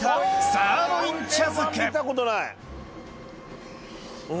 サーロイン茶漬け。